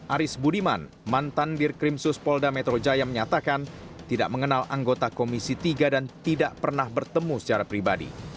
aris budiman mantan dirkrimsus polda metro jaya menyatakan tidak mengenal anggota komisi tiga dan tidak pernah bertemu secara pribadi